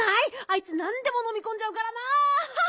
あいつなんでものみこんじゃうからな！